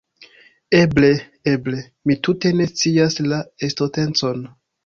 Eble, eble. Mi tute ne scias la estontecon